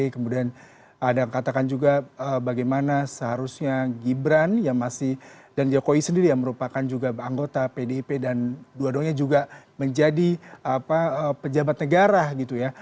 kemudian ada yang katakan juga bagaimana seharusnya gibran yang masih dan jokowi sendiri yang merupakan juga anggota pdip dan dua duanya juga menjadi pejabat negara gitu ya